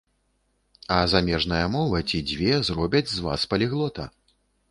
А замежная мова ці дзве зробяць з вас паліглота.